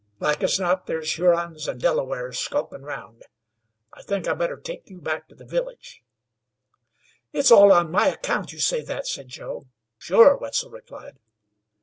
Like as not there's Hurons and Delawares skulkin' round. I think I'd better take you back to the village." "It's all on my account you say that," said Joe. "Sure," Wetzel replied.